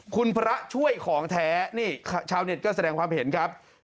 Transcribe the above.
คุณพระช่วยของแท้นี่ชาวเน็ตก็แสดงความเห็นครับ